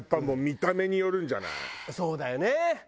そうだよね。